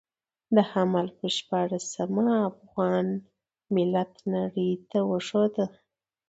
د حمل پر شپاړلسمه افغان ملت نړۍ ته وښوده.